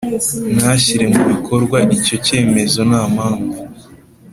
ntashyire mu bikorwa icyo cyemezo nta mpamvu